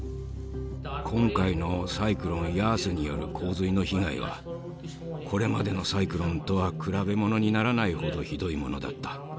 今回のサイクロンヤースによる洪水の被害はこれまでのサイクロンとは比べものにならないほどひどいものだった。